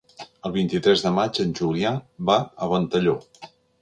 El vint-i-tres de maig en Julià va a Ventalló.